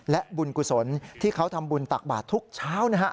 และบุญกุศลที่เขาทำบุญตักบาททุกเช้านะฮะ